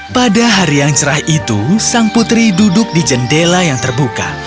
pada hari yang cerah itu sang putri duduk di jendela yang terbuka